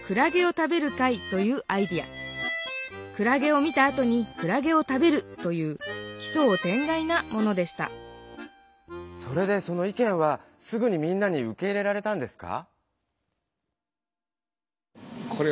クラゲを見たあとにクラゲを食べるというきそう天外なものでしたそれでその意見はすぐにみんなに受け入れられたんですか？